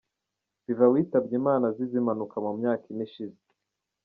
Vivant witabye Imana azize impanuka mu myaka ine ishize.